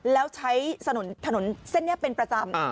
แล้วใช้ถนนเส้นนี้เป็นประจำ